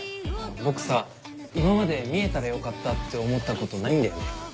僕さ今まで見えたらよかったって思ったことないんだよね。